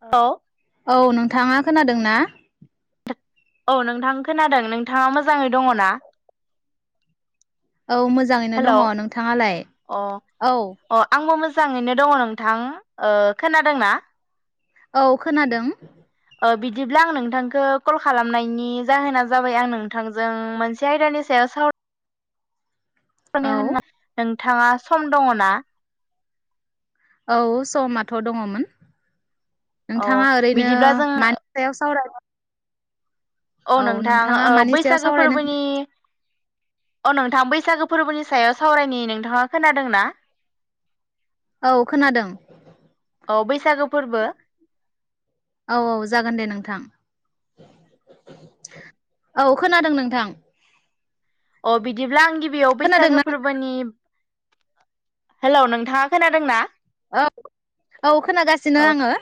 औ औ नोंथाङा खोनादों ना? औ नोंथां खोनादों नोंथाङा मोजाङै दङ ना? औ मोजाङैनो दङ हेलौ' नोंथाङालाय? अ औ अ आंबो मोजाङैनो दङ नों? नोंथां ओ खोनादोंना? औ खोनादों। ओ बिदिब्ला आं नोंथांखौ कल खालामनायनि जाहोना जाबाय आं नोंथांजों मोनसे आयदानि सायाव सावराय औ होनना [inaudible] नों बिथाङा सम दङ ना? औ समाथ' दङमोन। अ नोंथाङा ओरैनो बिदिब्ला जों मानि [inaudible] सायाव सावरायगोन? औ नोंथां ओ मानि सायाव बैसागो सावरायनो फोरबोनि अ नोंथां बैसागो फोरबोनि सायाव सावरायनायनि नोंथाङा खोनादोंना? औ खोनादों। औ बैसागो फोरबो। औ औ जागोन दे नोंथां औ खोनादों नोंथां। अ बिदिब्ला आं गिबियाव बैसागो खोनादोंना फोरबोनि हेल' नोंथाङा खोनादोंना? औ औ औ खोनागासिनो आङो।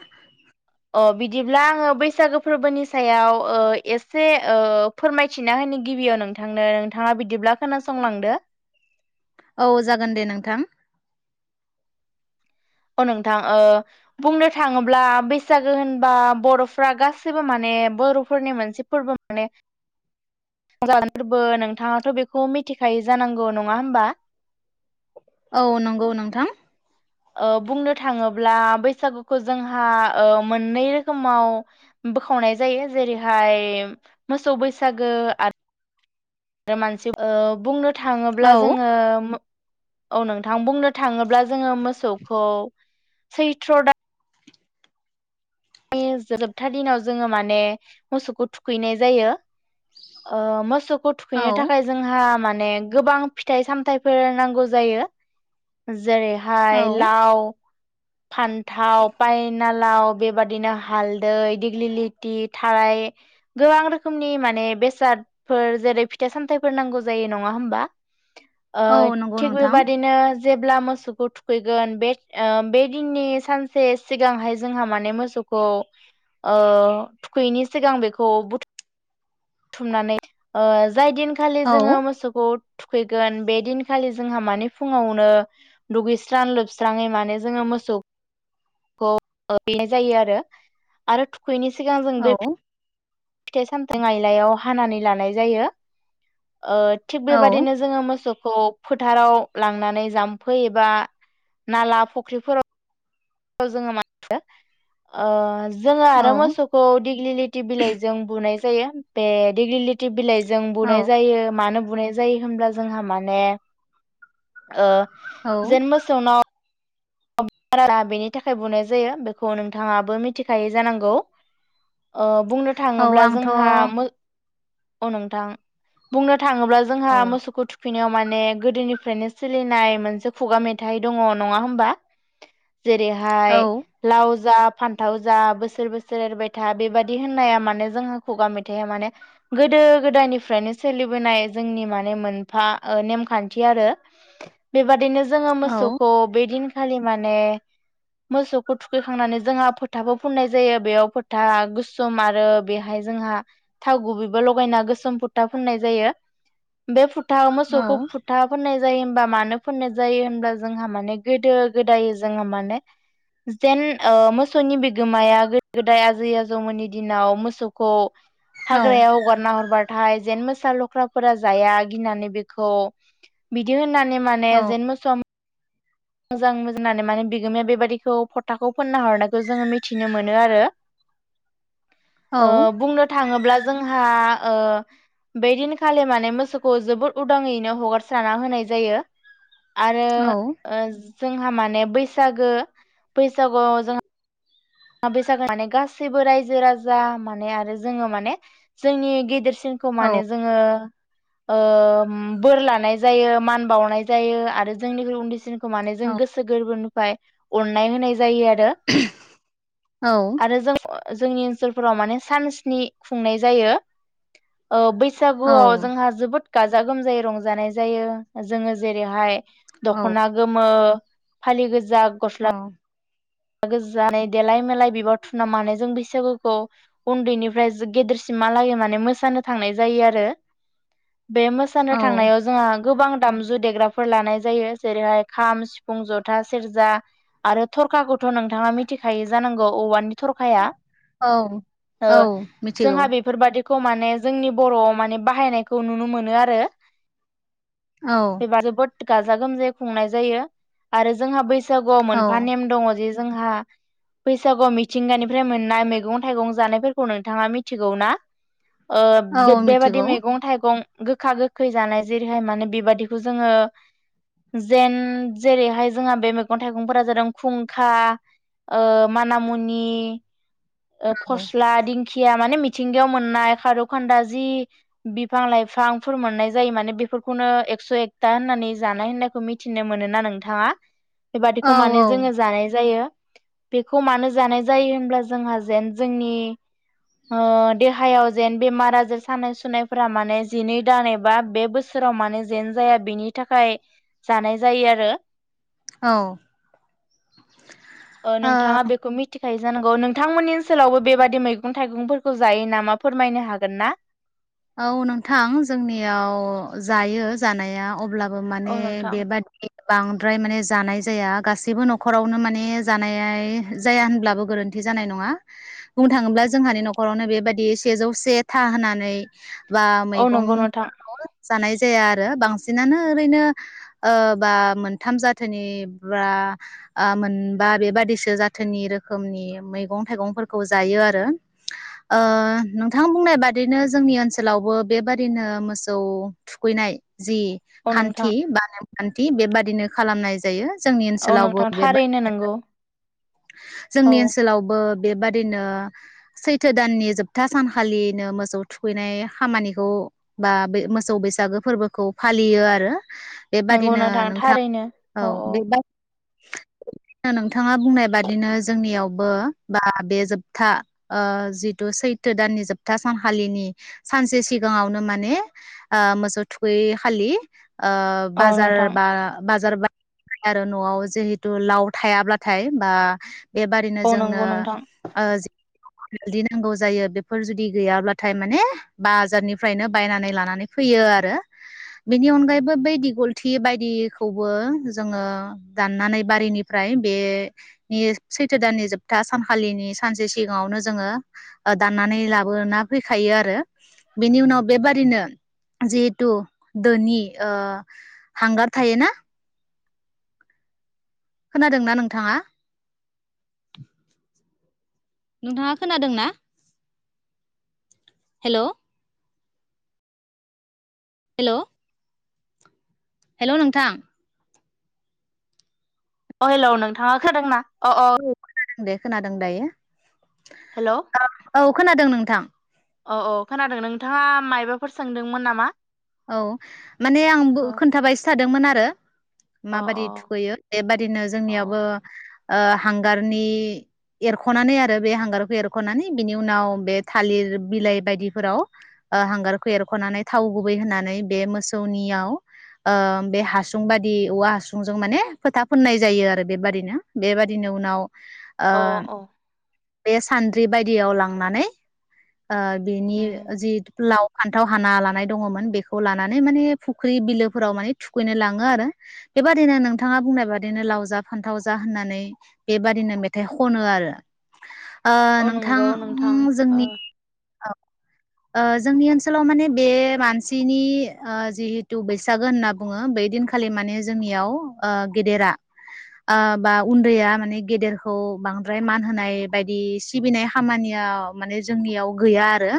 अ बिदिब्ला आङो बैसागो फोरबोनि सायाव ओ एसे ओ फोरमायथिना होनो गिबियाव नोंथांनो नोंथाङा बिदिब्ला खोनासंलांदो। औ जागोन दे नोंथां। अ नोंथां ओ बुंनो थाङोब्ला बैसागो होनबा बर'फ्रा गासैबो माने बर'फोरनि मोनसे फोरबो माने [inaudible] ज [inaudible] फोरबो नोंथाङाथ' बेखौ मिथिखायो जानांगौ नङा होनबा। औ नंगौ नोंथां। ओ बुंनो थाङोब्ला बैसागुखौ जोंहा ओ मोननै रोखोमाव बोखावनाय जायो जेरैहाय मोसौ बैसागो आरो। आरो [inaudible] मानसि [inaudible] बुंनो। थाङोब्ला औ जोङो औ नोंथां बुंनो थाङोब्ला जोङो मोसौखौ सैथ्र' दा जोबथा दिनाव जोङो माने मोसौखौ थुखैनाय जायो ओ मोसौ औ थुखैनो थाखाय जोंहा माने माने गोबां फिथाइ सामथायफोर नांगौ जायो औ जेरैहाय लाव फान्थाव पायना लाव बेबादि बिरदिनो हालदै दिग्लि लिथि थाराय गोबां रोखोमनि माने बेसादफोर जेरै फिथाइ सामथाइफोर नांगौ जायो नङा होमबा ओ औ नंगौ थिग नोंथां बेबादिनो जेब्ला मोसौखौ थुखैगोन बे बे दिननि सानसे सिगांहाय जोंहा माने मोसौ खौ ओ थुखैयैनि सिगां बेखौ बुथुम थुमनानै ओ जाय दिनखालि औ जोङो मोसौखौ थुखैगोन बे दिनखालि जोंहा माने फुङावनो दुगैस्रां लोबस्राङै माने जोङो मोसौ खौ ओ बे जायो आरो आरो थुखैयैनि सिगां जों औ बेब फिथाइ सामथाइ आइलायाव हानानै लानाय जायो ओ थिग औ बेबाददिनो जोङो मोसौ खौ फोथाराव लांनानै जाम्फै एबा नाला फख्रिफोराव जोङो मोने ओ जोङो आरो मोसौखौ दिग्लि लिथि बिलाइजों बुनाय जायो बे दिग्लिलिथि बिलाइ जों औ बुनाय जायो मानो बुंनाय जायो होनब्ला जोंहा माने ओ औ जेन मोसौनाव बारा बेनि थाखाय बुंनाय जायो बेखौ नोंथाङाबो मिथिखायै जानांगौ ओ बुंनो औ थाङोब्ला आंथ' जोंहा मो अ नोंथां बुंनो थाङोब्ला जोंहा औ मोसौखौ थु खैनायाव माने गोदोनिफ्रायनो सोलिनाय मोनसे खुगा मेथाइ दङ नङा होमबा जेरैहाय औ लाव जा फानथाव जा बोसोर बोसोर एरबाय था बेबादि होननाया माने जोंहा खुगा मेथाइया माने गोदो गोदायनिफ्रायनो सोलिबोनाय जोंनि माने मोनफा ओ नेमखानथि आरो बेबायदिनो जोङो औ मोसौखौ बेदिन खालि माने मोसौखौ थुखैखांनानै जोंहा फोथाबो फुननाय जायो बेयाव फोथा गोसोम आरो बेहाय जोंहा थाव गुबैबो लगायना गोसोम फोथा फुननाय जायो बे फोथा मोसौखौ औ फोथा फोननाय जायो होनबा मानो फोननो जायो होनबा जोंहा माने गोदो गोदायो जोङो माने जेन ओ मोसौनि बिगोमाया गोदो गोदाय आजै आजौमोननि दिनाव मोसौखौ औ हाग्रायाव होगार ना हरबा थाय जेन मोसा लख्राफोरा जाया गिनानै बेखौ बिदि होननानै मानेे औ जेन मोसौआ मोजां बुजिनानै माने बिगोमाया बेबायदिखौ फथाखौ फोनना हरनायखौ जोङो मिथिनो मोनो आरो औ ओ बुंनो थाङो ब्ला जोंहा ओ बेदिनखालि माने मोसौखौ जोबोद उदाङैनो हगारस्राना होनाय जायो आरो औ जोंहा माने बैसागु बैसागुआव जों बैसागु माने गासैबो रायजो राजा माने आरो जोङो माने जोंनि गेदेर सि नखौ माने औ औ जोङो ओ बोर लानाय जायो मान बावनाय जायो आरो जोंनिख्रुइ उनदैसिन खौ माने जों गोसो गोरबो निफ्राय अनाय होनाय जायो आरो औ ओ जोंनि ओनसोलफोराव माने सानस्नि खुंनाय जायो ओ बैसागुआव जोंहा जोबोद गाजा गोमजायै रंजानाय जायो जोङो जेरैहाय दख'ना गोमो फालि गोजा गोजां गस्ला औ गोजा गोसो जानाय देलाय मालाय बिबार थुनाव मान जों बैसागुखौ उन्दैनिफ्राय गेदेरसिमहालागै माने मोसानो थांनाय जायो आरो बे मोसानो औ थांनायाव जोंहा गोबां दामजु देग्राफोर लानाय जायो जेरैहाय खाम सिफुं जथा सेरजा आरो थरखाखौ थ' नोंथाङा मिथिखायो जानांगौ औवानि थरखाया औ औ मिथिगौ जोंहा बेफोरबादि माने जोंनि बर'आव माने बाहायनायखौ नुनो मोनो आरो औ [unintelligible] गाजा गोमजायै खुंनाय जायो आरो जोंहा बैसाग बैसागुआव औ मोनफा नेम दङ जे जोंहा बैसागुआव मिथिंगानिफ्राय मोननाय मैगं थाइगं जानायफोरखौ नोंथाङा मिथिगौ ना औ बेबादि मिथिगौ मैगं थाइगं गोखा गोखै जानाय जेरैहाय माने बेबादिखौ जोङो जेन जेरैहाय जोंहा बे मैगं थाइगंफोरा जादों खुंख्रा मानामुनि औ फस्ला दिंखिया दिंखिया माने मिथिंगायाव मोननाय खारौ खान्दाय जि बिफां लाइफांफोर मोननाय जायो माने बेफोरखौनो एकस' एकथा होननानै जानाय होननायखौ मिथिनो मोनो ना नोंथाङा औ बेबादिखौ माने औ जोङो जानाय जायो बेखौ मानो जानाय जायो होनब्ला जोंहा जेन जोंनि देहायाव जेन बेमार आजार सानाय सुनायफोरा माने जिनै दान एबा बे बोसोराव माने जेन जाया बेनि थाखाय जानाय जायो आरो औ ओ नोंथाङा बेखौ मिथिखायो जानांगौ नोंथाङा बिथांमोननि ओनसोलावबो बेबायदि मैगं थाइगंफोरखौ जायो नामा फोरमायनो हागोन ना औ नोंथां जोंनियाव जायो जानाया अब्लाबो माने औ नोंथां बेबादि बांद्राय माने जानाय जाया गासैबो न'खरावनो माने जानाय जाया होनब्लाबो गोरोन्थि जानाय नङा बुंनो थाङोब्ला जोंहानि न'खरावनो बेबायाददि सेजौ से था होनानै [inaudible] बि औ नंगौ नोंथां मैगंफोरखौ जानाय जाया आरो बांसिनानो ओरैनो बा मोनथाम जाथोनि बा मोनबा बेबादिसो जाथोनि रोखोमनि मैगं थाइगंफोरखौ जायो आरो नोंथां बुंनाय बादिनो जोंनि ओनसोल ओनसोलावबो बेबादिनो मोसौ थुखैनाय जि औ नोंथां खान्थि बा खान्थि बेबादिनो खालामनाय जायो जोंनि औ ओनसोलावबो नोंथां बेबा थारैनो नोंगौ जोंनि ओनसोलावबो बेबादिनो सैथो दाननि जोबथा सानखालिनो मोसौ थुखैनाय खामानिखौ बा बे मोसौ बैसागो फोरबोखौ फालियो आरो नोंगौ नोंथां थारैनो औ औ नोंथाङा बुंनाय बादिनो जोंनियावबो बा बे जोबथा ओ जिथु सैथो दाननि जोबथा सानखालिनि सानसे सिगाङावनो माने ओ मोसौ थुखैखालि ओ औ बाजार नोंथां बा बाजार बा ओमफ्राय आरो नआव जिहेतु लाव थायाब्लाथाय बा बेबादिनो औ जोंनो नंगौ नोंथां ओ हालदि नांगौ जायो बेफोर जुदि गैयाब्लाथाय माने बाजारनिफ्रायनो बायनानै लानानै फैयो आरो बेनि अनगायैबो बै दिगलथि बायदिखौबो जोङो दाननानै बारिनिफ्राय बेनि सैथो दाननि जोबथा सानखालिनि सानसे सिगाङावनो जोङो दाननानै लाबोना फैखायो आरो बेनि उनाव बेबादिनो जिहेथु दोनि हांगार थायो ना खोनादों ना नोंथाङा नोंथाङा खोनादों ना हेल हेल हेल नोंथां अ हेलौ नोंथाङा खोनादों अ अ औ खोनादों दे खोनादों दायो हेल अ औ खोनादों नोंथां अ खोनादों नोंथाङा मायबा फोर सोंदोंमोन नामा औ माने आंबो अ खोन्थाबायसो थादोंमोन आरो अ माबादि अ थुखैयो बेबादिनो औ जोंनियावबो ओ हांगारनि एरखनानै आरो बे हांगारखौ एरखनानै बिनि उनाव बे थालिर बिलाइ बायदिफोराव ओ हांगारखौ एरखनानै थाव गुबै होनानै बे मोसौनियाव ओ बे हासुं बादि औवा हासुंजों माने फोथा फोननाय जायो आरो बेबादिनो बेबादिनो उनाव ओ अ अ बे सान्द्रि बायदियाव लांनानै ओ बेनि उम जिहेथु लाव फान्थाव हाना लानाय दङमोन बेखौ लानानै माने फुख्रि बिलोफोराव माने थुखैनो लाङो आरो बेबादिनो नोंथाङा बुंनाय बायदिनो लाव जा फान्थाव जा होननानै बेबादिनो मेथाइ खनो आरो ओ औ नोंथां नंगौ नोंथां ओ जोंनि औ ओ जोंनि ओनसोलाव माने बे मानसिनि ओ जिहेतु बैसागो होनना बुङो बै दिनखालि माने जोंनियाव ओ गेदेरा ओ बा उन्दैया माने गेदेरखौ बांद्राय मान होनाय बायदि सिबिनाय खामानिया माने जोंनियाव गैया आरो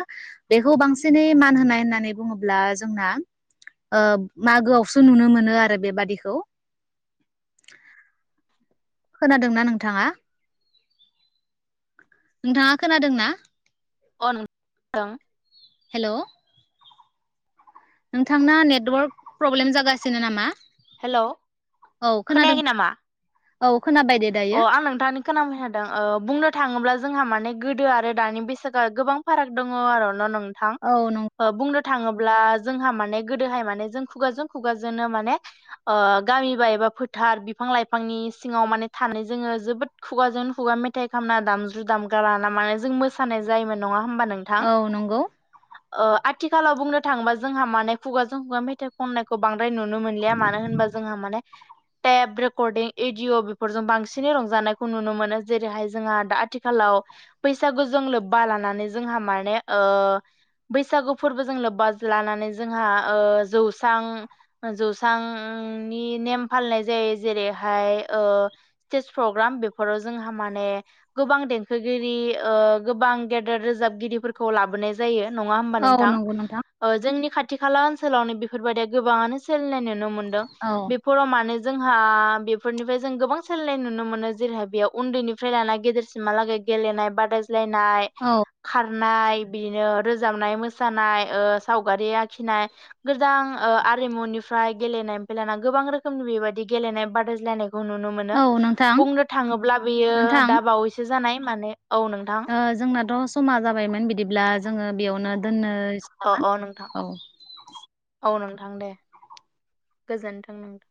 बेखौ बांसिनै मान होनाय होननानै बुङोब्ला जोंना ओ मागोआवसो नुनो मोनो आरो बेबादिखौ खोनादोंना नोंथाङा नोंथाङा खोनादों ना अ [unintelligible] हेलौ नोंथांना नेटवर्क प्रब्लेम जागासिनो नामा हेल' औ खोनादों खोनायाखै नामा औ खोनाबाय दे अ दायो आं नोंथांनि खोनाबाय थादों बुंनो थाङोब्ला जोंहा माने गोदो आरो दानि बैसागोआ गोबां फाराग दङ आरो ना नों थां औ नं ओ बुंनो थाङो अब्ला जोंहा माने गोदोहाय माने जों खुगाजों खुगाजोंनो माने ओ गामि बा एबा फोथार बिफां लाइफांनि सिङाव माने थानानै जोङो जोबोद खुगाजों खुगा मेथाइ खामना दामजु दामग्रा लाना माने जों मोसानाय जायोमोन नङा होमबा नोंथां औ नंगौ ओ आथिखालाव बुंनो थाङोबा जोंहा माने खुगाजों खुगा मेथाइ खननायखौ बां द्राय नुनो मोनलिया मानो होनबा जोंहा माने टेब रिकर्दिं एदिअ फोरजों बांसिनै रंजानायखौ नुनो मोनो जेरैहाय जोंहा दा आथिखालाव बैसागुजों लोब्बा लानानै जोंहा माने ओ बैसागु फोरबोजों लोब्बा लानानै जोंहा ओ जौसां जौसांनि नेम फालिनाय जायो जेरैहाय ओ स्टेज प्रग्राम बेफोराव जोंहा माने गोबां देंखोगिरि ओ गोबां गेदेर रोजाबगिरिफोरखौ लाबोनाय जायो नङा होमबा औ नोंथां नंगौ नोंथां ओ जोंनि खा थि खाला ओनसोलावनो बेफोरबायदिया गोबाङानो सोलिनाय नु नो मोनदों औ बेफोराव मानो जोंहा बेफोरनिफ्राय जों गोबां सोलायनाय नुनो मोनो जेरैहाय बेयाव उन्दैनिफ्राय लाना गेदेरसिमहालागै गेलेनाय बादाय लायनाय औ खार नाय बिदिनो रोजाबनाय मोसानाय ओ सावगारि आखिनाय गोजाम ओ आरिमुनिफ्राय गेलेनाय फायलानानै गोबां रोखोमनि बेबायदि गेलेनाय बादायज्लायनायखौ नुनो मोनो औ नोंथां बुंनो थाङोब्ला बेयो नोंथां दा बावैसो जानाय माने औ नोंथां ओ जोंना द समा जाबायमोन बिदिब्ला जोङो बेयावनो दोननो औ औ नोंथां औ नोंथां थां दे गोजोनथों नोंथां